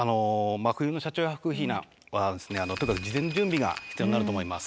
真冬の車中泊避難はですねとにかく事前準備が必要になると思います。